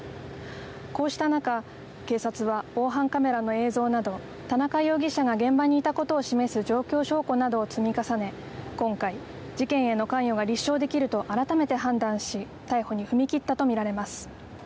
こうした中警察は防犯カメラの映像など田中容疑者が現場にいたことを示す状況証拠などを積み重ね今回、事件への関与が立証できると改めて判断し逮捕に踏み切ったと見られます。